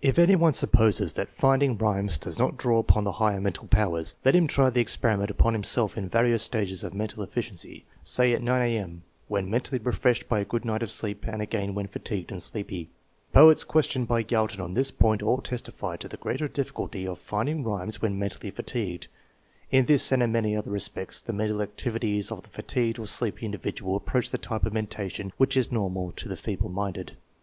If any one supposes that rinding rhymes does not draw upon the higher mental powers, let him try the experiment upon himself in various stages of mental efficiency, say at 9 A.M., when mentally refreshed by a good night of sleep and again when fatigued and sleepy. Poets questioned by Galton on this point all testified to the greater difficulty of finding rhymes when mentally fatigued. In this and in manyjother respects the mental activities of the fatigued or 'sleepy in dividual approach the type of mentation which is normal to the feeble minded.